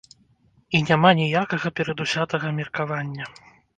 І няма ніякага перадузятага меркавання.